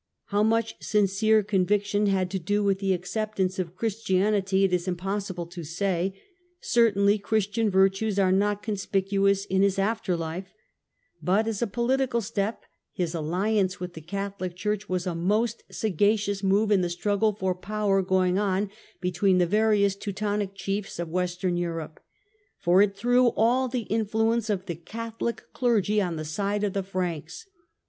How much sincere conviction had to do with his acceptance of Christianity it is impossible to say — certainly Christian virtues are not conspicuous in his after life — but as a political step his alliance with the Catholic Church was a most sagacious move in the struggle for power going on between the various Teutonic chiefs of Western Europe. For it threw all the influence of the Catholic clergy on to the side of the Franks.